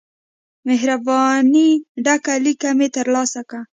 مهربانی ډک لیک مې ترلاسه کړ.